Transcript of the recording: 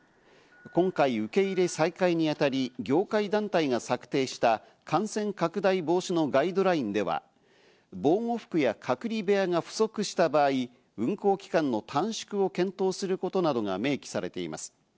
今回、受け入れ再開にあたり業界団体が策定した感染拡大防止のガイドラインでは、防護服や隔離部屋が不足した場合、運航期間の短縮を検討することなどが明記されています。